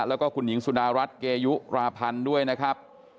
แล้วก็คุณหญิงสุดารัฐเกยุราพันธ์ด้วยนะครับ